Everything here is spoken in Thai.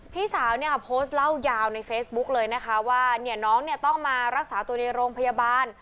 พี่สาวเนี่ยโพสต์เล่ายาวในเฟซบุ๊กเลยนะคะว่าเนี่ยน้องเนี่ยต้องมารักษาตัวในโรงพยาบาล